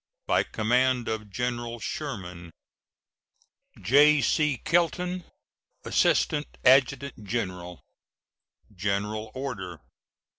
By command of General Sherman: J.C. KELTON, Assistant Adjutant General. GENERAL ORDER.